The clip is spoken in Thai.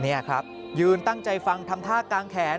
นี่ครับยืนตั้งใจฟังทำท่ากางแขน